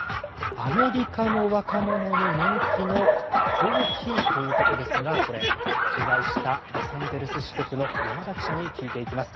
アメリカの若者に人気のコーヒーということですがこれ取材したロサンゼルス支局の山田記者に聞いていきます。